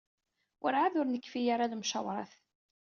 Werɛad ur nekfi ara lemcawṛat.